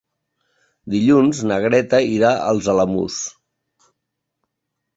Dilluns na Greta irà als Alamús.